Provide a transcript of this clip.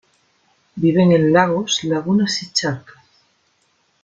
Viven en lagos, lagunas y charcas.